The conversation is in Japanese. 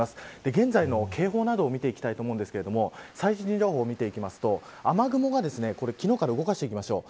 現在の警報などを見ていきたいと思うんですが最新情報だと雨雲が昨日から動かしていきましょう。